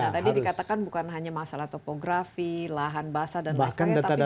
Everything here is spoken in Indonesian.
tadi dikatakan bukan hanya masalah topografi lahan basah dan lain sebagainya tapi